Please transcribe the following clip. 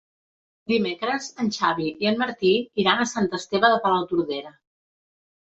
Dimecres en Xavi i en Martí iran a Sant Esteve de Palautordera.